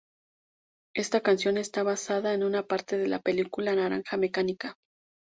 Esta canción está basada en una parte de la película Naranja mecánica.